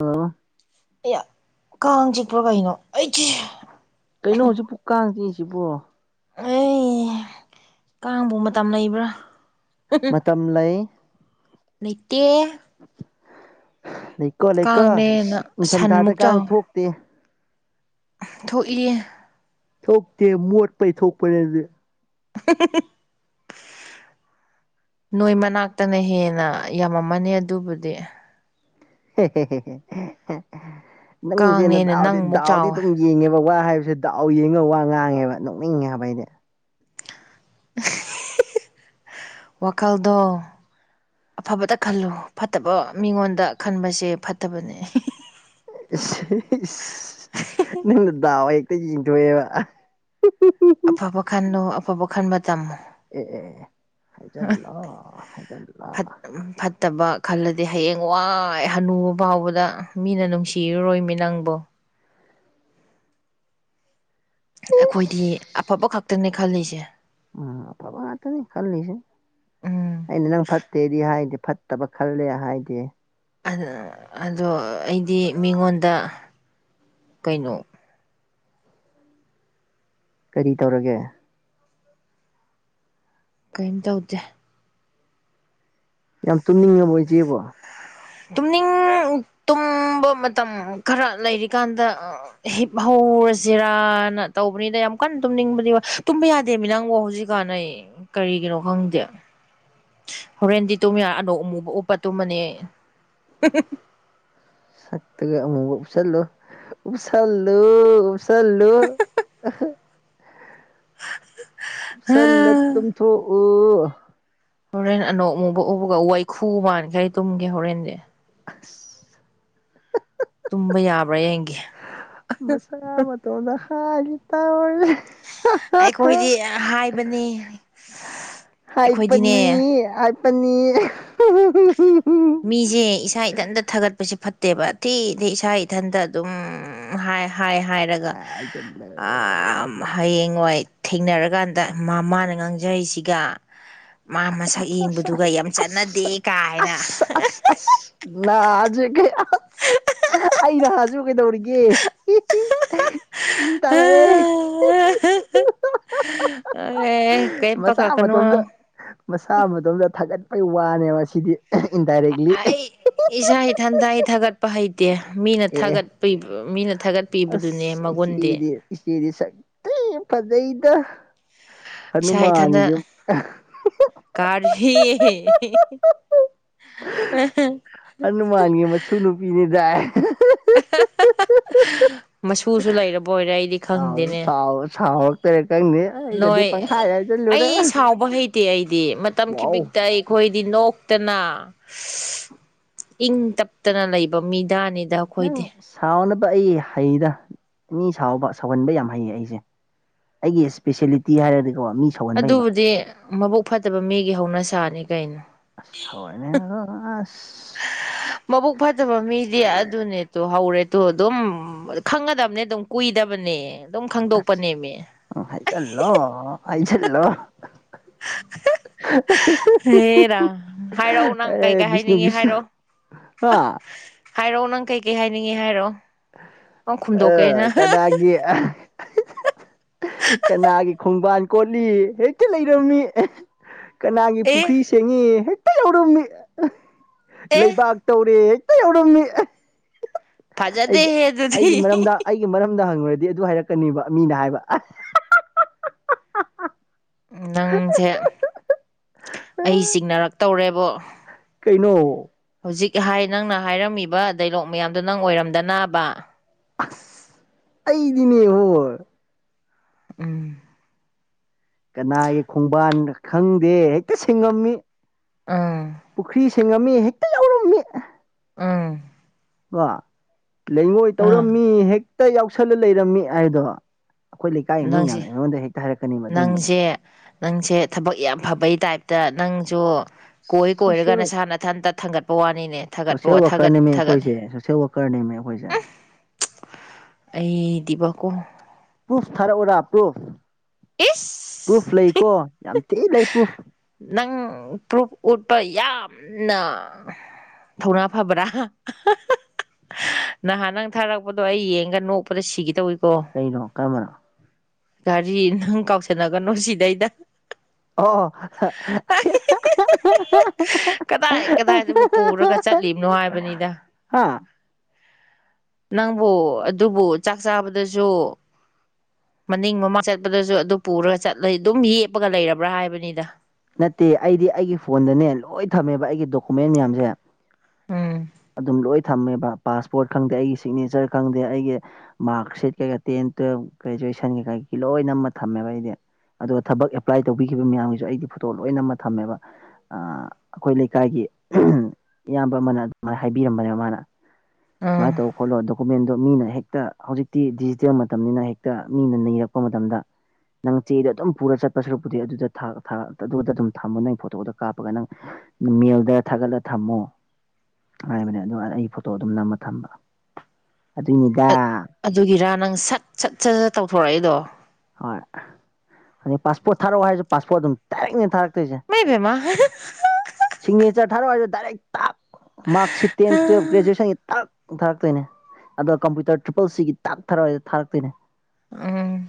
ꯑꯣ ꯑꯦ ꯀꯥꯡ ꯆꯤꯛꯄ꯭ꯔꯣ ꯀꯩꯅꯣ ꯑꯩꯁꯦ ꯀꯩꯅꯣ ꯍꯧꯖꯤꯛ ꯄꯨ ꯀꯥꯡꯗꯦꯁꯤꯕꯣ ꯑꯦ ꯀꯥꯡꯕꯨ ꯃꯇꯝ ꯂꯩꯕ꯭ꯔꯥ ꯃꯇꯝ ꯂꯩ ꯂꯩꯇꯦ ꯂꯩꯀꯣ ꯂꯩꯀꯣ ꯀꯥꯡꯅꯦꯅ ꯅꯤꯡꯪꯊꯝ ꯊꯥꯗ ꯁꯟꯃꯨꯛ ꯀꯥꯡ ꯆꯥꯎ ꯊꯣꯛꯇꯦ ꯊꯣꯛꯏ ꯊꯣꯛꯇꯦ ꯃꯣꯠꯄꯩ ꯊꯣꯛꯄꯅꯦꯗꯤ [unintelligible] ꯅꯣꯏ ꯃꯅꯥꯛꯇꯅ ꯍꯦꯟꯅ ꯌꯥꯝꯃꯝꯃꯅꯤ ꯑꯗꯨꯕꯨꯗꯤ ꯀꯥꯡꯅꯦꯅ ꯅꯪꯁꯦꯅꯗꯥꯎꯗꯤ ꯅꯪꯃꯨꯛ ꯗꯥꯎꯗꯤ ꯆꯥꯎꯋꯦ ꯇꯨꯡ ꯌꯦꯡꯉꯦꯕ ꯋꯥ ꯍꯥꯏꯕꯁꯦ ꯗꯥꯎ ꯌꯦꯡꯉꯒ ꯋꯥ ꯉꯥꯡꯉꯦꯕ ꯅꯣꯛꯅꯤꯡꯉꯦ ꯍꯥꯏꯕ ꯑꯩꯗꯤ [unintelligible] ꯋꯥꯈꯜꯗ ꯑꯐꯕꯇ ꯈꯜꯂꯨ ꯐꯠꯇꯕ ꯃꯤꯉꯣꯟꯗ ꯈꯟꯕꯁꯦ ꯐꯠꯇꯕꯅꯦ [unintelligible] ꯅꯪꯅ ꯗꯥꯎ ꯍꯦꯛꯇ ꯌꯦꯡꯊꯣꯛꯑꯦꯕ ꯑꯐꯕ ꯈꯟꯂꯨ ꯑꯐꯕ ꯈꯟꯕ ꯇꯝꯃꯨ ꯑꯦ ꯍꯖꯜꯂ ꯍꯥꯏꯖꯜꯂꯥ ꯎꯝ ꯐ ꯐꯠꯇꯕ ꯈꯜꯂꯗꯤ ꯍꯌꯦꯡ ꯋꯥꯏ ꯍꯅꯨꯕ ꯐꯥꯎꯕꯗ ꯃꯤꯅ ꯅꯨꯡꯁꯤꯔꯨꯔꯣꯏꯃꯤ ꯅꯪꯕꯣ ꯏꯁ ꯑꯩꯈꯣꯏꯗꯤ ꯑꯐꯕ ꯈꯛꯇꯅꯦ ꯈꯜꯂꯤꯁꯦ ꯑ ꯐꯕ ꯋꯥꯠꯇ ꯅ ꯈꯜꯅꯤꯁ ꯎꯝ ꯑꯩꯅ ꯅꯪ ꯐꯠꯇꯦꯗꯤ ꯍꯥꯏꯗꯤ ꯐꯠꯇꯕ ꯈꯜꯂꯦ ꯍꯥꯏꯗꯤ ꯑꯗꯣ ꯑꯩꯗꯤ ꯃꯤꯉꯣꯟꯗ ꯀꯩꯅꯣ ꯀꯔꯤ ꯇꯧꯔꯒꯦ ꯀꯩꯝ ꯇꯧꯗꯦ ꯌꯥꯝ ꯇꯨꯝꯅꯤꯡꯉꯦꯕ ꯏꯆꯦꯕꯣ ꯇꯨꯝꯅꯤꯡ ꯇꯨꯝꯕ ꯃꯇꯝ ꯈꯔ ꯂꯩꯔꯤꯀꯥꯟꯗ ꯍꯤꯞ ꯍꯧꯧꯔ ꯖꯤꯔꯥꯅ ꯇꯧꯕꯅꯤꯗ ꯌꯥꯝ ꯀꯟꯅ ꯇꯨꯝꯅꯤꯡꯕꯗꯤ ꯇꯨꯝꯕ ꯌꯥꯗꯦꯃꯤ ꯅꯪꯕꯨ ꯍꯧꯖꯤꯛ ꯀꯥꯟꯅꯩ ꯀꯔꯤꯒꯤꯅꯣ ꯈꯪꯗꯦ ꯍꯣꯔꯦꯟꯗꯤ ꯇꯨꯝ ꯑꯅꯧ ꯑꯃꯨꯕ ꯎꯞꯄ ꯇꯨꯝꯃꯅꯦ [unintelligible] ꯁꯛꯇꯒ ꯑꯃꯨꯛ ꯎꯞꯁꯜꯂꯨ ꯎꯞꯁꯜꯂꯨ ꯎꯞꯁꯜꯂꯨ ꯁꯜꯂ ꯇꯨꯝ ꯊꯣꯛ ꯑꯣ ꯍꯣꯔꯦꯟ ꯑꯅꯧ ꯑꯃꯨꯕ ꯎꯕꯒ ꯋꯥꯏꯈꯨ ꯃꯥꯅ ꯀꯩ ꯇꯨꯝꯒꯦ ꯍꯣꯔꯦꯟꯗꯤ [unintelligible] ꯇꯨꯝꯕ ꯌꯥꯕ꯭ꯔꯥ ꯍꯡꯒꯤ ꯃꯁꯥ ꯃ ꯇ ꯑꯣꯗ ꯍꯥꯏꯒꯤꯠꯇ ꯑꯣꯦ ꯑꯩꯈꯣꯏꯗꯤ ꯍꯥꯏꯕꯅꯤ ꯍꯥꯏ ꯑꯩꯈꯣꯏꯗꯤꯅꯦ ꯄꯅꯤ ꯍꯥꯏ ꯄꯅꯤ ꯃꯤꯁꯦ ꯏꯁꯥ ꯏꯊꯟꯇ ꯊꯥꯒꯠꯄꯁꯦ ꯐꯠꯇꯦꯕ ꯑꯊꯤ ꯑꯗꯤ ꯏꯁꯥ ꯏꯊꯟꯇ ꯑꯗꯨꯝ ꯎ ꯍꯥꯏ ꯍꯥꯏ ꯍꯥꯏꯔꯒ ꯍꯥꯏꯖꯜꯂꯦ ꯑ ꯍꯌꯦꯡꯋꯥꯣꯏ ꯊꯦꯡꯅꯔꯀꯥꯟꯗ ꯃꯃꯥꯅ ꯉꯥꯡꯖꯔꯤꯁꯤꯒ ꯃꯥ ꯑꯁ ꯃꯁꯛ ꯑꯁ ꯑꯁ ꯌꯦꯡꯕꯗꯨꯒ ꯑꯁ ꯌꯥꯝ ꯆꯠꯅꯗꯦ ꯑꯁ ꯀꯥ ꯍꯥꯏꯅ ꯑꯁ ꯑꯁ ꯑꯁ ꯅꯍꯥꯁꯦ ꯑꯁ ꯑꯩ ꯅꯍꯁꯨ ꯀꯩꯗꯧꯔꯤꯒꯦ ꯏ ꯇꯔꯦ ꯑꯦ ꯀꯩꯝ ꯄ ꯀꯥ ꯀꯅꯣ ꯃꯁꯥ ꯃꯇꯣꯝꯗ ꯊꯥꯒꯠꯄꯒꯤ ꯋꯥꯅꯦꯕ ꯁꯤꯗꯤ ꯏꯟꯗꯥꯏꯔꯦꯛꯂꯤ ꯑꯦ ꯑꯩ ꯏꯁꯥ ꯏꯊꯟꯇ ꯍ ꯊꯥꯒꯠꯄ ꯍꯩꯇꯦ ꯃꯤꯅ ꯑꯦ ꯊꯥꯒꯠ ꯃꯤꯅ ꯊꯥꯒꯠꯄꯤꯕꯗꯨꯅꯦ ꯃꯒꯨꯟꯗꯤ ꯏꯁꯆꯗꯤ ꯁꯇꯩ ꯐꯖꯩꯗ ꯏꯁꯥ ꯏꯊꯟꯗ ꯍꯅꯨꯃꯥꯟꯒꯤ ꯀꯥꯔꯤꯍꯤ ꯎ [unintelligible] ꯍꯅꯨꯃꯥꯟꯒꯤ ꯃꯁꯨ ꯅꯨꯄꯤꯅꯤꯗꯥ [inaudible] ꯃꯁꯨꯁꯨ ꯂꯩꯔꯕ ꯑꯣꯏꯔꯦ ꯑꯩꯗꯤ ꯁꯥꯎ ꯈꯪꯗꯦꯅꯦ ꯁꯥꯎ ꯁꯥꯎꯔꯛꯇꯔꯦ ꯈꯪꯗꯦ ꯑꯩꯅꯗꯤ ꯅꯣꯏ ꯄꯪꯍꯥꯏ ꯍꯥꯏꯖꯜꯂꯨꯔꯦ ꯑꯩ ꯁꯥꯎꯕ ꯍꯩꯇꯦ ꯑꯩꯗꯤ ꯃꯇꯝ ꯋꯥꯎ ꯈꯤꯕꯤꯛꯇ ꯑꯩ ꯑꯩꯈꯣꯏꯗꯤ ꯅꯣꯛꯇꯅ ꯏꯪ ꯇꯞꯇꯅ ꯂꯩꯕ ꯃꯤꯗꯥꯅꯤꯗ ꯑꯩꯈꯣꯏꯗꯤ ꯅꯪ ꯁꯥꯎꯅꯕ ꯑꯩ ꯍꯩꯗ ꯃꯤ ꯁꯥꯎꯕ ꯁꯥꯎꯍꯟꯕ ꯌꯥꯝ ꯍꯩꯌꯦ ꯑꯩꯁꯦ ꯑꯩꯒꯤ ꯏꯁꯄꯤꯁꯦꯜꯂꯤꯇꯤ ꯍꯥꯏꯔꯗꯤꯀꯣ ꯃꯤ ꯁꯧꯍꯟꯕ ꯍꯩꯕ ꯑꯗꯨꯕꯨꯗꯤ ꯃꯕꯨꯛ ꯐꯠꯇꯕ ꯃꯤꯒꯤ ꯍꯧꯅ ꯁꯥꯅꯤ ꯀꯩꯅꯣ ꯑꯁ ꯍꯣꯏꯅꯦ ꯍꯣꯏ ꯑꯁ ꯃꯕꯨꯛ ꯐꯠꯇꯕ ꯃꯤꯗꯤ ꯑꯗꯨꯅꯦꯇꯣ ꯍꯧꯔꯦ ꯇꯣ ꯑꯗꯨꯝ ꯈꯪꯉꯗꯝꯅꯦ ꯑꯗꯨꯝ ꯀꯨꯏꯗꯕꯅꯦ ꯑꯗꯨꯝ ꯑꯁ ꯈꯪꯗꯣꯛꯄꯅꯦꯃꯤ ꯍꯥꯏꯖꯜꯂꯣ ꯍꯥꯏꯖꯜꯂꯣ ꯍꯦꯔꯥ ꯍꯥꯏꯔꯛꯑꯣ ꯅꯪ ꯑꯦ ꯀꯩꯀꯩ ꯕꯤꯁꯅꯨ ꯍꯥꯏꯅꯤꯡꯉꯤ ꯕꯤꯁꯅꯨ ꯍꯥꯏꯔꯛꯑꯣ ꯍꯥ ꯍꯥꯏꯔꯛꯑꯣ ꯅꯪ ꯀꯩꯀꯩ ꯍꯥꯏꯅꯤꯡꯉꯤ ꯍꯥꯏꯔꯛꯑꯣ ꯅꯪ ꯑ ꯈꯨꯝꯗꯣꯛꯀꯦ ꯑꯩꯅ ꯀꯅꯥꯒꯤ ꯀꯅꯥꯒꯤ ꯈꯣꯡꯕꯥꯟ ꯀꯣꯠꯂꯤ ꯍꯦꯛꯇ ꯂꯩꯔꯝꯃꯤ ꯀꯅꯥꯒꯤ ꯑꯦ ꯄꯨꯈ꯭ꯔꯤ ꯁꯦꯡꯉꯤ ꯍꯦꯛꯇ ꯌꯥꯎꯔꯝꯃꯤ ꯑꯦ ꯂꯩꯕꯥꯛ ꯇꯧꯔꯦ ꯍꯦꯛꯇ ꯌꯧꯔꯝꯃꯤ ꯑꯩꯒꯤ ꯐꯖꯗꯦꯍꯦ ꯑꯗꯨꯗꯤ ꯑꯩꯒꯤ ꯃꯔꯝꯗ ꯑꯩꯒꯤ ꯃꯔꯝꯗ ꯍꯪꯉꯨꯔꯗꯤ ꯑꯗꯨ ꯍꯥꯏꯔꯛꯀꯅꯦꯕ ꯃꯤꯅ ꯍꯥꯏꯕ ꯅꯪꯁꯦ ꯑꯩ ꯆꯤꯡꯅꯔꯛꯇꯧꯔꯦꯕꯣ ꯀꯩꯅꯣ ꯍꯧꯖꯤꯛ ꯍꯥꯏ ꯅꯪꯅ ꯍꯥꯏꯔꯝꯃꯤꯕ ꯗꯥꯏꯂꯣꯛ ꯃꯌꯥꯝꯗꯣ ꯅꯪ ꯑꯣꯏꯔꯝꯗꯅꯕ ꯑꯁ ꯑꯩꯗꯤꯅꯦ ꯍꯣꯏ ꯎꯝ ꯀꯅꯥꯒꯤ ꯈꯣꯡꯕꯥꯟ ꯈꯪꯗꯦ ꯍꯦꯛꯇ ꯁꯦꯡꯉꯝꯃꯤ ꯎꯝ ꯄꯨꯈ꯭ꯔꯤ ꯁꯦꯡꯉꯝꯃꯤ ꯍꯦꯛꯇ ꯌꯥꯎꯔꯝꯃꯤ ꯎꯝ ꯀꯣ ꯂꯩꯉꯣꯏ ꯎꯝ ꯇꯧꯔꯝꯃꯤ ꯍꯦꯛꯇ ꯌꯥꯎꯁꯜꯂ ꯂꯩꯔꯝꯃꯤ ꯍꯥꯏꯗꯣ ꯑꯈꯣꯏ ꯂꯩꯀꯥꯏ ꯃꯤ ꯅꯪꯁꯦ ꯃꯌꯥꯝꯅ ꯑꯩꯉꯣꯟꯗ ꯍꯦꯛꯇ ꯍꯥꯏꯔꯛꯀꯅꯤ ꯑꯗꯨꯝꯕꯗꯣ ꯅꯪꯁꯦ ꯅꯪꯁꯦ ꯊꯕꯛ ꯌꯥꯝ ꯐꯕꯩ ꯇꯥꯏꯞꯇ ꯅꯪꯁꯨ ꯀꯣꯏ ꯀꯣꯏꯔꯒ ꯁꯣꯁꯤꯌꯦꯜ ꯅꯁꯥꯅꯊꯟꯇ ꯊꯥꯡꯒꯠꯄ ꯋꯥꯅꯤꯅꯦ ꯊꯥꯒꯠꯄ ꯊꯒꯠ ꯊꯥꯒꯠꯂꯤ ꯄꯔꯅꯦꯃꯤ ꯑꯈꯣꯏꯁꯦ ꯑꯩꯗꯤꯕꯀꯣ ꯄ꯭ꯔꯨꯐ ꯊꯥꯔꯛ ꯎꯔ ꯄ꯭ꯔꯨꯐ ꯏꯁ ꯄ꯭ꯔꯨꯐ ꯂꯩꯀꯣ ꯌꯥꯝ ꯊꯤ ꯂꯩ ꯄ꯭ꯔꯨꯐ ꯅꯪ ꯄ꯭ꯔꯨꯐ ꯎꯠꯄ ꯌꯥꯝꯅ ꯊꯧꯅꯥ ꯐꯕ꯭ꯔꯥ ꯅꯍꯥꯟ ꯅꯪ ꯊꯥꯔꯛꯄꯗꯣ ꯑꯩ ꯌꯦꯡꯒ ꯅꯣꯛꯄꯗ ꯁꯤꯒꯦ ꯇꯧꯏꯀꯣ ꯀꯩꯅꯣ ꯀꯔꯝꯕꯅꯣ ꯀꯔꯤ ꯅꯪ ꯀꯥꯎꯁꯟꯅꯒꯅꯨ ꯁꯤꯗꯩꯗ ꯑꯣ ꯀꯗꯥꯏ ꯀꯗꯥꯏꯗꯕꯨ ꯄꯨꯔꯒ ꯆꯠ ꯂꯤꯅꯣ ꯍꯥꯏꯕꯅꯤꯗ ꯍꯥ ꯅꯪꯕꯨ ꯑꯗꯨꯕꯨ ꯆꯥꯛ ꯆꯥꯕꯗꯁꯨ ꯃꯅꯤꯡ ꯃꯃꯥꯡ ꯆꯠꯄꯗꯁꯨ ꯑꯗꯨ ꯄꯨꯔꯒ ꯆꯠꯂ ꯑꯗꯨꯝ ꯌꯦꯞꯄꯒ ꯂꯩꯔꯕ꯭ꯔꯥ ꯍꯥꯏꯕꯅꯤꯗ ꯅꯠꯇꯦ ꯑꯩꯗꯤ ꯑꯩꯒꯤ ꯐꯣꯟꯗꯅꯦ ꯂꯣꯏ ꯊꯝꯃꯦꯕ ꯑꯩꯒꯤ ꯗꯣꯀꯨꯃꯦꯟ ꯃꯌꯥꯝꯁꯦ ꯎꯝ ꯑꯗꯨꯝ ꯂꯣꯏ ꯊꯝꯃꯦꯕ ꯄꯥꯁꯄꯣꯠ ꯈꯪꯗꯦ ꯑꯩꯒꯤ ꯁꯤꯛꯅꯦꯆꯔ ꯈꯪꯗꯦ ꯑꯩꯒꯤ ꯃꯥꯛ ꯁꯤꯠ ꯀꯩꯀꯥ ꯇꯦꯟ ꯇꯨꯋꯦꯜꯞ ꯒ꯭ꯔꯦꯖꯨꯋꯦꯁꯟꯒꯤ ꯀꯩꯒꯤ ꯂꯣꯏ ꯅꯝꯃ ꯊꯝꯃꯦꯕ ꯑꯩꯗꯤ ꯑꯗꯨꯒ ꯊꯕꯛ ꯑꯦꯄ꯭ꯂꯥꯏ ꯇꯧꯕꯤꯈꯤꯕ ꯃꯌꯥꯝꯒꯤꯁꯨ ꯑꯩꯗꯤ ꯐꯣꯇꯣ ꯂꯣꯏ ꯅꯝꯃ ꯊꯝꯃꯦꯕ ꯑꯥ ꯑꯈꯣꯏ ꯂꯩꯀꯥꯏꯒꯤ ꯎꯡ ꯏꯌꯥꯝꯕ ꯑꯃꯅ ꯑꯗꯨꯃꯥꯏ ꯍꯥꯏꯕꯤꯔꯝꯕꯅꯦ ꯃꯥꯅ ꯁꯨꯃꯥꯢ ꯎꯝ ꯇꯧ ꯈꯣꯠꯂꯣ ꯑꯗꯨ ꯀꯣꯃꯦꯟꯗꯣ ꯃꯤꯅ ꯍꯦꯛꯇ ꯍꯧꯖꯤꯛꯇꯤ ꯗꯤꯖꯤꯇꯦꯜ ꯃꯇꯝꯅꯤꯅ ꯍꯦꯛꯇ ꯃꯤꯅ ꯅꯤꯔꯛꯄ ꯃꯇꯝꯗ ꯅꯪ ꯆꯦꯗ ꯑꯗꯨꯝ ꯄꯨꯔ ꯆꯠꯄ ꯁꯔꯨꯛꯄꯨꯗꯤ ꯑꯗꯨꯗ ꯊꯥ ꯊꯥꯒ ꯇ ꯑꯗꯨꯗ ꯑꯗꯨꯝ ꯊꯝꯃꯨ ꯅꯪ ꯐꯣꯇꯣꯗꯣ ꯀꯥꯞꯄꯒ ꯅꯪ ꯃꯦꯜꯗ ꯊꯥꯒꯠꯂ ꯊꯝꯃꯣ ꯍꯥꯏꯕꯅꯦ ꯑꯗꯨꯒꯥꯟꯗ ꯑꯩꯒꯤ ꯐꯣꯇꯣ ꯑꯗꯨꯝ ꯅꯝꯃ ꯊꯝꯕ ꯑꯗꯨꯏꯅꯤꯗ ꯑꯗꯨꯒꯤꯔꯥ ꯅꯪ ꯁꯠ ꯁꯠ ꯁꯠ ꯁꯠ ꯇꯧꯊꯣꯔꯛꯏꯗꯣ ꯍꯣꯏ ꯑꯗꯩ ꯄꯥꯁꯄꯣꯠ ꯊꯥꯔꯛꯑꯣ ꯍꯥꯏꯁꯨ ꯄꯥꯁꯄꯣꯠ ꯑꯗꯨꯝ ꯗꯥꯏꯔꯦꯛꯅꯦ ꯊꯥꯔꯛꯇꯣꯏꯁꯦ ꯃꯩꯕꯦꯝꯃ ꯍꯥ ꯍꯥ ꯍꯥ ꯍ ꯁꯤꯒꯅꯦꯆꯔ ꯊꯥꯔꯛ ꯑꯣ ꯍꯥꯏꯖꯨ ꯗꯥꯏꯔꯦꯛ ꯇꯥꯛ ꯃꯥꯛ ꯁꯤꯠ ꯇꯦꯟ ꯇꯤꯌꯦꯞ ꯒꯔ꯭ꯦꯖꯨꯌꯦꯁꯟ ꯒꯤ ꯇꯛ ꯊꯥꯔꯛꯇꯣꯏꯅꯦ ꯑꯗꯣ ꯀꯝꯄꯨꯇꯔ ꯇ꯭ꯔꯤꯄꯜ ꯁꯤꯒꯤ ꯇꯥꯛ ꯊꯥꯔꯛꯑꯣ ꯍꯥꯏꯖꯨ ꯊꯥꯔꯛꯇꯣꯏꯅꯦ ꯎꯝ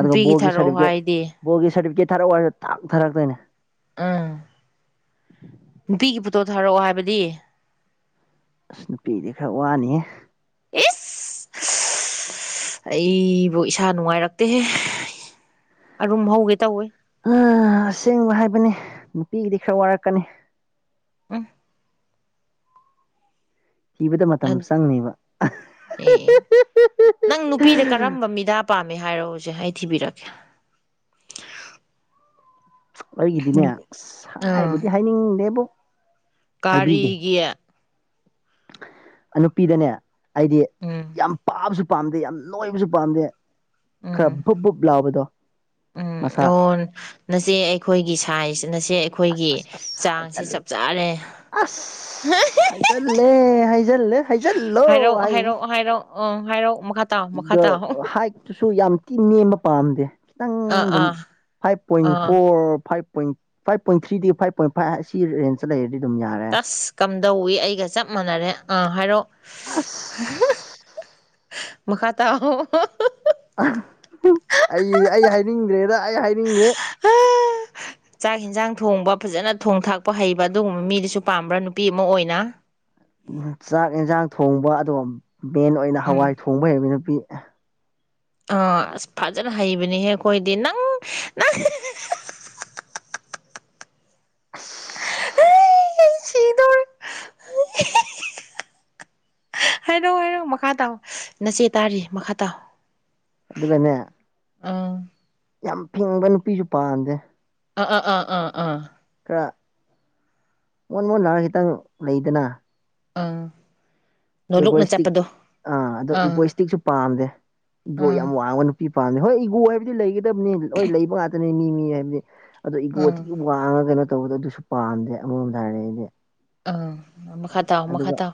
ꯑꯗꯨꯒ ꯅꯨꯄꯤꯒꯤ ꯕꯣꯜꯒꯤ ꯊꯥꯔꯛꯑꯣ ꯁꯥꯔꯇꯤꯐꯤꯀꯦꯠ ꯍꯥꯏꯗꯤ ꯕꯣꯜꯒꯤ ꯁꯥꯔꯇꯤꯐꯤꯀꯦꯠ ꯊꯥꯔꯛꯑꯣ ꯍꯥꯏꯔꯖꯨ ꯇꯥꯛ ꯊꯥꯔꯛꯇꯣꯏꯅꯦ ꯎꯝ ꯅꯨꯄꯤꯒꯤ ꯐꯣꯇꯣ ꯊꯥꯔꯛꯑꯣ ꯍꯥꯏꯕꯗꯤ ꯑꯁ ꯅꯨꯄꯤꯗꯤ ꯈꯔ ꯋꯥꯅꯤꯌꯦ ꯏꯁ ꯁꯁ ꯑꯩꯕꯨ ꯏꯁꯥ ꯅꯨꯡꯉꯥꯏꯔꯛꯇꯦꯍꯦ ꯑꯔꯨꯝ ꯍꯧꯒꯦ ꯇꯧꯋꯦ ꯍꯍ ꯑꯁꯦꯡꯕ ꯍꯥꯏꯕꯅꯤ ꯅꯨꯄꯤꯒꯤꯗꯤ ꯈꯔ ꯋꯥꯔꯛꯀꯅꯤ ꯎꯝ ꯊꯤꯕꯗ ꯃꯇꯝ ꯑꯗ ꯆꯪꯅꯤꯕ ꯑꯦ ꯅꯪ ꯅꯨꯄꯤꯗ ꯀꯔꯝꯕ ꯃꯤꯗꯥ ꯄꯥꯝꯃꯦ ꯍꯥꯏꯔꯣ ꯍꯨꯖꯤꯛ ꯑꯩ ꯊꯤꯕꯤꯔꯛꯀꯦ ꯑꯩꯒꯤꯗꯤꯅꯦ ꯑꯁ ꯍꯥꯏꯕꯨꯗꯤ ꯍꯥꯏꯅꯤꯡꯗꯦꯕꯨ ꯀꯥꯔꯤꯒꯤ ꯑꯅꯨꯄꯤꯗꯅꯦ ꯑꯩꯗꯤ ꯎꯝ ꯌꯥꯝ ꯄꯥꯕꯁꯨ ꯄꯥꯝꯗꯦ ꯌꯥꯝ ꯅꯣꯏꯕꯁꯨ ꯄꯥꯝꯗꯦ ꯈꯔ ꯎꯝ ꯕꯨꯨꯞ ꯕꯨꯨꯞ ꯂꯥꯎꯕꯗꯣ ꯎꯝ ꯃꯁꯥ ꯑꯣ ꯅꯆꯦ ꯑꯩꯈꯣꯏꯒꯤ ꯁꯥꯏꯖ ꯅꯆꯦ ꯑꯁ ꯑꯩꯈꯣꯏꯒꯤ ꯑꯁ ꯑꯁ ꯆꯥꯡꯁꯦ ꯍꯥꯏꯖꯜ ꯆꯞ ꯆꯥꯔꯦ ꯍ ꯍꯤ ꯍꯤ ꯂꯦ ꯍꯥꯏꯖꯜꯂꯦ ꯍꯥꯏꯖꯜꯂꯣ ꯍꯥꯏꯖꯤꯅꯤ ꯑꯣ ꯍꯥꯏꯔꯛꯑꯣ ꯃꯛ ꯏꯗꯣ ꯍꯥꯏꯠ ꯇꯨꯁꯨ ꯌꯥꯝ ꯇꯤ ꯅꯦꯝꯕ ꯄꯥꯝꯗꯦ ꯈꯤꯇꯪ ꯑꯥ ꯑꯗꯨꯝ ꯑꯥ ꯐꯥꯏꯚ ꯄꯣꯏꯟ ꯑꯥ four five point five point ꯊ꯭ꯔꯤꯗꯒꯤ ꯐꯥꯏꯚ ꯄꯣꯏꯟ ꯐꯥꯏꯚ ꯑꯁꯤ ꯔꯦꯟꯖꯇ ꯂꯩꯔꯗꯤ ꯑꯗꯨꯝ ꯌꯥꯔꯦ ꯁꯁ ꯀꯝꯗꯧꯋꯤ ꯑꯩꯒ ꯆꯞ ꯃꯥꯟꯅꯔꯦ ꯑꯥ ꯍꯥꯏꯔꯛꯑꯣ ꯁꯁ ꯑꯁ ꯍ ꯍ ꯍ ꯍꯍ ꯃꯈꯥ ꯇꯥꯎꯋꯣ ꯑꯣ ꯍ ꯑꯍ ꯍ ꯑꯩ ꯑꯩ ꯍꯥꯏꯅꯤꯡꯗ꯭꯭ꯔꯦꯗ ꯑꯩ ꯍꯥꯏꯅꯤꯡꯗ꯭ꯔꯦ ꯆꯥꯛ ꯍꯤꯟꯖꯥꯡ ꯊꯣꯡꯕ ꯐꯖꯅ ꯊꯣꯡ ꯊꯥꯛꯄ ꯍꯩꯕ ꯑꯗꯨꯒꯨꯝꯕ ꯃꯤꯗꯨꯁꯨ ꯄꯥꯝꯕ꯭ꯔꯥ ꯅꯨꯄꯤ ꯑꯃ ꯑꯣꯏꯅ ꯆꯥꯛ ꯌꯦꯟꯖꯥꯡ ꯊꯣꯡꯕ ꯑꯗꯣꯝ ꯃꯦꯟ ꯑꯣꯏꯅ ꯍꯋꯥꯏ ꯎꯝ ꯊꯣꯡꯕ ꯍꯩꯕ ꯅꯨꯄꯤ ꯑꯥ ꯑꯁ ꯐꯖꯅ ꯍꯩꯕꯅꯤꯍꯦ ꯑꯈꯣꯏꯗꯤ ꯅꯪ ꯅꯪ ꯍꯍ ꯍ ꯍ ꯑꯩ [unintelligible] ꯍꯤ ꯍꯤ ꯍꯥ ꯍꯥ ꯍꯍ ꯍꯥꯏꯔꯛꯑꯣ ꯍꯥꯏꯔꯛꯑꯣ ꯃꯈꯥ ꯇꯥꯎ ꯅꯆꯦ ꯇꯥꯔꯤ ꯃꯈꯥ ꯇꯥꯎ ꯑꯗꯨꯒꯅꯦ ꯑꯥ ꯌꯥꯝ ꯐꯤꯡꯕ ꯅꯨꯄꯤꯁꯨ ꯄꯥꯝꯗꯦ ꯑꯥ ꯑꯥ ꯑꯥ ꯑꯥ ꯑꯥ ꯈꯔ ꯃꯣꯟ ꯃꯣꯟꯔꯒ ꯈꯤꯇꯪ ꯂꯩꯗꯅ ꯑꯡ ꯏꯒꯣꯏꯁꯇꯤꯛ ꯑꯥ ꯑꯗꯣ ꯏꯒꯣꯏꯁꯇꯤꯛꯁꯨ ꯄꯥꯝꯗꯦ ꯏꯒꯣ ꯑꯥ ꯌꯥꯝ ꯋꯥꯡꯕ ꯅꯨ ꯄꯤ ꯄꯥꯝꯗꯦ ꯍꯣꯏ ꯏꯒꯣ ꯍꯥꯏꯕꯗꯤ ꯂꯩꯒꯗꯕꯅꯤ ꯂꯣꯏ ꯂꯩꯕ ꯉꯥꯛꯇꯅꯤ ꯃꯤ ꯃꯤ ꯍꯥꯏꯕꯗꯤ ꯑꯗꯣ ꯏꯒꯣ ꯑꯥ ꯊꯤ ꯋꯥꯡꯉ ꯀꯩꯅꯣ ꯇꯧꯕꯗꯣ ꯑꯗꯨꯁꯨ ꯄꯥꯝꯗꯦ ꯑꯃꯔꯣꯝꯗ ꯍꯥꯏꯔꯗꯤ ꯑꯩꯗꯤ ꯑꯝ ꯃꯈꯥ ꯇꯥꯎ ꯃꯈꯥ ꯇꯥꯎ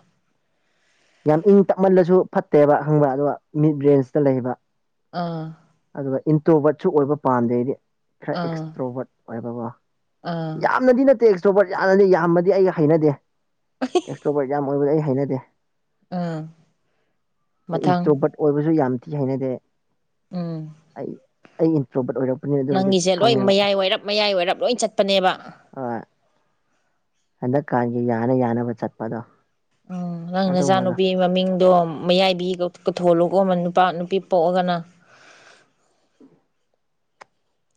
ꯌꯥꯝ ꯏꯪ ꯇꯞꯃꯜꯂꯁꯨ ꯐꯠꯇꯦꯕ ꯍꯪꯕ ꯑꯣ ꯃꯤꯠ ꯔꯦꯟꯖꯇ ꯂꯩꯕ ꯑꯥ ꯑꯗꯨꯒ ꯏꯟꯇ꯭ꯔꯣꯕꯣꯠꯁꯨ ꯑꯣꯏꯕ ꯄꯥꯝꯗꯦꯗꯤ ꯈꯔ ꯑꯥ ꯑꯦꯛꯁꯇ꯭ꯔꯣꯕꯣꯠ ꯑꯣꯏꯕꯀꯣ ꯑꯥ ꯌꯥꯝꯅꯗꯤ ꯅꯠꯇꯦꯁꯇꯣꯄꯠ ꯌꯥꯝꯅꯗꯤ ꯌꯥꯝꯃꯗꯤ ꯑꯩꯒ ꯍꯩꯅꯗꯦ ꯑꯦꯛꯁꯇ꯭ꯔꯣꯕꯔꯠ ꯌꯥꯝ ꯑꯣꯏꯕꯗ ꯑꯩ ꯍꯩꯅꯗꯦ ꯑꯥ ꯑꯗꯣ ꯃꯊꯪ ꯏꯟꯇ꯭ꯔꯣꯕꯔꯠ ꯑꯣꯏꯕꯁꯨ ꯌꯥꯝ ꯊꯤ ꯍꯩꯅꯗꯦ ꯎꯝ ꯑꯩ ꯑꯩ ꯏꯟꯇ꯭ꯔꯣꯕꯠ ꯑꯣꯏꯔꯄ ꯅꯪꯒꯤꯁꯦ ꯂꯣꯏ ꯃꯌꯥꯏ ꯋꯥꯏꯔꯞ ꯃꯌꯥꯏ ꯋꯥꯏꯔꯞ ꯂꯣꯏ ꯆꯠꯄꯅꯦꯕ ꯑꯣꯏ ꯍꯟꯗꯛꯀꯥꯟꯒꯤ ꯌꯥꯅ ꯌꯥꯅꯕ ꯆꯠꯄꯗꯣ ꯎꯝ ꯅꯪ ꯑꯗꯨꯝꯕꯗꯣ ꯅꯆꯥꯅꯨꯄꯤ ꯃꯃꯤꯡꯗꯣ ꯃꯌꯥꯏꯕꯤꯊꯣꯂꯨꯒ ꯑꯃ ꯅꯨꯄꯥ ꯅꯨꯄꯤ ꯄꯣꯛꯑꯒꯅ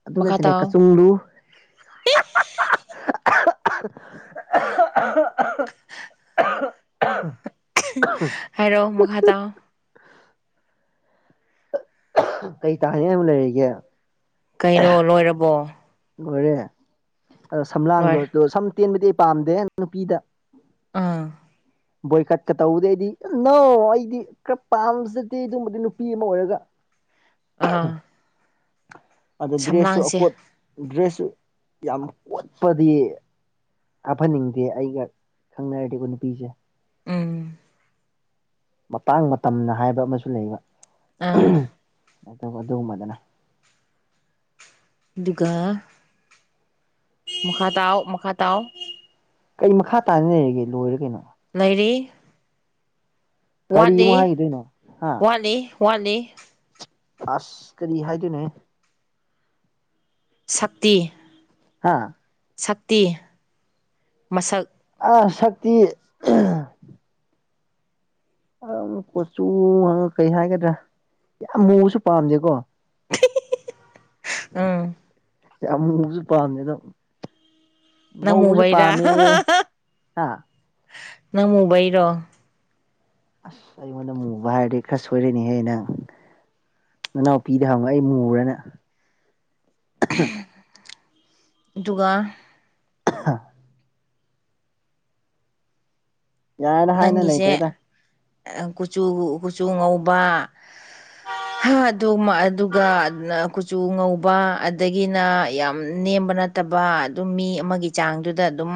ꯑꯗꯨ ꯃꯈꯥ ꯅꯠꯇꯦꯅꯦ ꯇꯥꯎ ꯀꯆꯨꯡꯗꯨꯨ ꯍꯥꯏꯔꯣ ꯃꯈꯥ ꯇꯥ ꯀꯩ ꯇꯥꯅꯤꯡ ꯍꯥꯏꯕꯛ ꯂꯩꯔꯤꯒꯦ ꯀꯩꯔꯣ ꯂꯣꯏꯔꯕꯣ ꯂꯣꯏꯔꯦ ꯑꯗꯣ ꯁꯝꯂꯥꯡꯗꯣ ꯂꯣꯏꯔꯦ ꯑꯣ ꯁꯝ ꯇꯦꯟꯕꯗꯤ ꯑꯩ ꯄꯥꯝꯗꯦ ꯅꯨꯄꯤꯗ ꯑꯝ ꯕꯣꯏꯀꯠꯀ ꯇꯧꯕꯗ ꯑꯩꯗꯤ ꯅꯣ ꯑꯩꯗꯤ ꯈꯔ ꯄꯥꯝꯖꯗꯤ ꯑꯗꯨꯝꯕꯗꯤ ꯅꯨꯄꯤ ꯑꯃ ꯑꯣꯏꯔꯒ ꯑꯥ ꯑꯗ ꯁꯝꯂꯥꯡꯁꯦ ꯗ꯭ꯔꯦꯁꯁꯨꯀꯣꯠ ꯗ꯭ꯔꯦꯁꯁꯨ ꯌꯥꯝ ꯀꯣꯠꯄꯗꯤ ꯍꯥꯞꯍꯟꯅꯤꯡꯗꯦ ꯑꯩꯒ ꯈꯪꯅꯔꯗꯤ ꯑꯩꯈꯣ ꯅꯨꯄꯤꯁꯦ ꯎꯝ ꯃꯇꯥꯡ ꯃꯇꯝꯅ ꯍꯥꯏꯕ ꯑꯃꯁꯨ ꯂꯩꯕ ꯑꯥ ꯑꯗꯨꯒ ꯑꯗꯨꯒꯨꯝꯕꯗꯅ ꯑꯗꯨꯒ ꯃꯈꯥ ꯇꯥꯎ ꯃꯈꯥ ꯇꯥꯎ ꯀꯔꯤ ꯃꯈꯥ ꯇꯥꯅ ꯂꯩꯔꯒꯦ ꯂꯣꯏꯔꯦ ꯀꯩꯅꯣ ꯂꯩꯔꯤ ꯀꯔꯤ ꯑꯃꯨꯛ ꯍꯥꯏꯈꯤꯗꯣꯏꯅꯣ ꯍꯥ ꯋꯥꯠꯂꯤꯋꯥꯠꯂꯤꯋꯥꯠꯂꯤ ꯑꯁ ꯀꯔꯤ ꯍꯥꯏꯗꯣꯏꯅꯣꯍꯦ ꯁꯛꯇꯤ ꯍꯥ ꯁꯛꯇꯤ ꯃꯁꯛ ꯑ ꯁꯛꯇꯤ ꯑꯪ ꯀꯣꯆꯨ ꯍꯪꯉ ꯀꯩ ꯍꯥꯏꯒꯗ꯭ꯔꯥ ꯌꯥꯝ ꯃꯨꯁꯨ ꯄꯥꯝꯗꯦꯀꯣ ꯎꯝ ꯌꯥꯝ ꯃꯨꯕꯁꯨ ꯄꯥꯝꯃꯦꯗꯝ ꯅꯝꯃꯨꯕꯩꯔ ꯍꯥ ꯅꯝꯃꯨꯕꯩꯔꯣ ꯑꯁ ꯑꯩꯉꯣꯟꯗ ꯃꯨꯕ ꯍꯥꯏꯔꯗꯤ ꯈꯔ ꯁꯣꯏꯔꯅꯤꯍꯦ ꯅꯪ ꯅꯅꯥꯎꯄꯤꯗꯤ ꯍꯪꯉꯨ ꯑꯩ ꯃꯨꯕꯔꯅ ꯑꯗꯨꯒ ꯑꯍ ꯌꯥꯔꯦꯗ ꯍꯥꯏꯅ ꯅꯪꯒꯤꯁꯦ ꯂꯩꯇ꯭ꯔꯦꯗ ꯀꯨꯆꯨ ꯀꯨꯆꯨ ꯉꯧꯕ [inaudible] ꯍꯥ ꯑꯗꯨ ꯑꯗꯨꯒ ꯀꯨꯆꯨ ꯉꯧꯕ ꯑꯗꯒꯤꯅ ꯌꯥꯝ ꯅꯦꯝꯕꯅ ꯇꯕ ꯑꯗꯨꯝ ꯃꯤ ꯑꯃꯒꯤ ꯆꯥꯡꯗꯨꯗ ꯑꯗꯨꯝ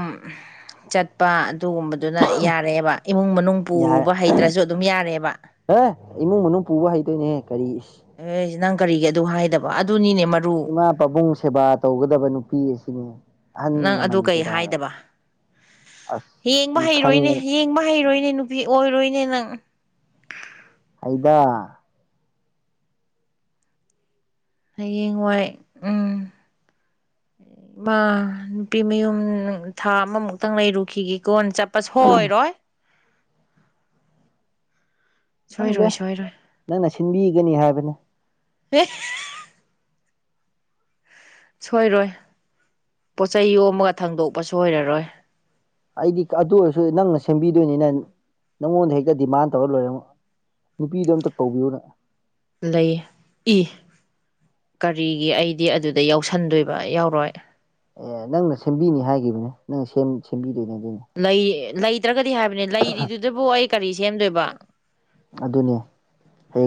ꯆꯠꯄ ꯑꯗꯨꯒꯨꯝꯕꯗꯨꯅ ꯌꯥꯔꯦꯕ ꯏꯃꯨꯡ ꯃꯅꯨꯡ ꯄꯨꯕ ꯍꯩꯇ꯭ꯔꯁꯨ ꯑꯗꯨꯝ ꯌꯥꯔꯦꯕ ꯑꯦꯦ ꯏꯃꯨꯡ ꯃꯅꯨꯡ ꯄꯨꯕ ꯍꯩꯇꯣꯏꯅꯦ ꯀꯔꯤ ꯑꯦ ꯅꯪ ꯀꯔꯤꯒꯤ ꯑꯗꯨ ꯍꯥꯏꯗꯕ ꯑꯗꯨꯅꯤꯅꯦ ꯃꯔꯨ ꯃꯥꯥ ꯄꯥꯕꯨꯡ ꯁꯦꯕꯥ ꯇꯧꯒꯗꯕ ꯅꯨꯄꯤ ꯑꯁꯤꯅꯦ ꯅꯪ ꯑꯗꯨ ꯀꯩ ꯍꯥꯏꯗꯕ ꯑꯁ ꯌꯦꯡꯕ ꯑꯗꯨꯝ ꯍꯩꯔꯣꯏꯅꯦ ꯈꯪꯉꯦ ꯌꯦꯡꯕ ꯍꯩꯔꯣꯏꯅꯦ ꯕꯤ ꯑꯣꯏꯔꯣꯏꯅꯦ ꯅꯪ ꯑꯩꯗ ꯍꯌꯦꯡ ꯋꯥꯏ ꯎꯝ ꯃꯥ ꯅꯨꯄꯤ ꯃꯌꯨꯝ ꯊꯥ ꯑꯃꯃꯨꯛꯇꯪ ꯂꯩꯔꯨꯈꯤꯒꯦꯀꯣꯟ ꯆꯠꯄ ꯁꯣꯏꯔꯣꯏ ꯈꯪꯗꯦ ꯁꯣꯏꯔꯣꯏ ꯁꯣꯏꯔꯣꯏ ꯅꯪꯅ ꯁꯤꯟꯕꯤꯒꯅꯤ ꯍꯥꯏꯕꯅꯦ ꯄꯁ ꯁꯣꯏꯔꯣꯏ ꯄꯣꯠꯆꯩ ꯌꯣꯝꯃꯒ ꯊꯥꯡꯗꯣꯛꯄ ꯁꯣꯏꯔꯔꯣꯏ ꯑꯩꯗꯤ ꯑꯗꯨ ꯑꯣꯏꯔꯁꯨ ꯅꯪꯅ ꯁꯦꯝꯕꯤꯗꯣꯏꯅꯤꯅ ꯅꯪꯉꯣꯟꯗ ꯍꯦꯛꯇ ꯗꯤꯃꯥꯟ ꯇꯧꯔ ꯂꯣꯏꯔ ꯅꯨꯄꯤꯗꯣ ꯑꯝꯇ ꯇꯧꯕꯤꯌꯨꯅ ꯂꯩ ꯏ ꯀꯔꯤꯒꯤ ꯑꯩꯗꯤ ꯑꯗꯨꯗ ꯌꯥꯎꯁꯟꯗꯣꯏꯕ ꯌꯥꯎꯔꯣꯏ ꯑꯦ ꯅꯪꯅ ꯁꯦꯝꯕꯤꯅꯤ ꯍꯥꯏꯈꯤꯕꯅꯦ ꯅꯪ ꯁꯦꯝꯕꯤꯗꯣꯏꯅꯦ ꯑꯗꯨꯅꯦ ꯂꯩ ꯂꯩꯇ꯭ꯔꯒꯗꯤ ꯍꯥꯏꯕꯅꯦ ꯂꯩꯔꯤꯗꯨꯗꯕꯨ ꯑꯩ ꯀꯔꯤ ꯁꯦꯝꯗꯣꯏꯕ ꯑꯗꯨꯅꯦ ꯍꯌꯦꯡ